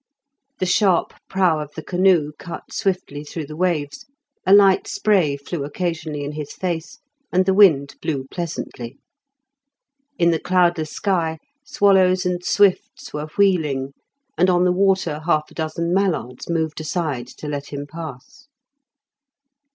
The sharp prow of the canoe cut swiftly through the waves, a light spray flew occasionally in his face, and the wind blew pleasantly. In the cloudless sky swallows and swifts were wheeling, and on the water half a dozen mallards moved aside to let him pass.